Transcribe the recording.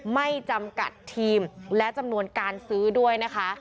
ไม่จำกัดทีมและจำนวนการซื้อด้วยนะคะ